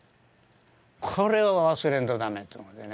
これは忘れんと駄目やと思ってね。